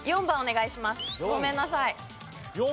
４番？